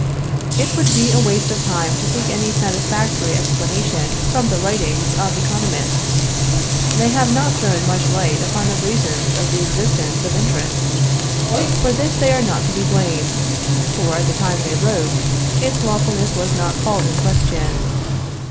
It would be a waste of time to seek any satisfactory explanation from the writings of economists. They have not thrown much light upon the reasons of the existence of interest. For this they are not to be blamed; for at the time they wrote, its lawfulness was not called in question.